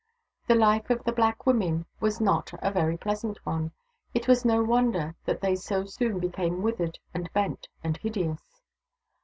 The life of the black women was not a very pleasant one — it was no wonder that they so soon became withered and bent and hideous.